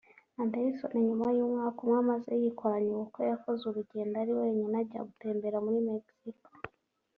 Anderson nyuma y’umwaka umwe amaze yikoranye ubukwe yakoze urugendo ari wenyine ajya gutembera muri Mexico